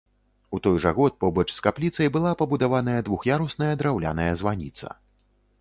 У той жа год, побач з капліцай была пабудаваная двух'ярусная драўляная званіца.